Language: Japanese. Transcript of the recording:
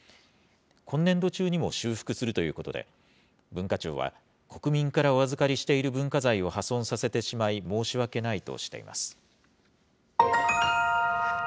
今年度中にも修復するということで、文化庁は、国民からお預かりしている文化財を破損させてしまい、申し訳ないとしています。